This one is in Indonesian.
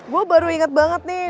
gue baru inget banget nih